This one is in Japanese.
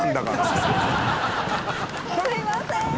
「“すみません”！」